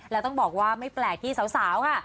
แล้วต้องบอกว่าไม่แปลกที่สาวค่ะ